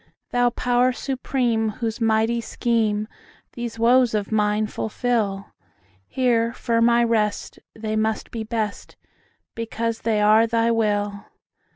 Thou Power Supreme, whose mighty schemeThese woes of mine fulfil, Here firm I rest; they must be best, Because they are Thy will!